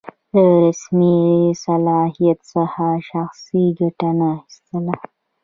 له رسمي صلاحیت څخه شخصي ګټه نه اخیستل.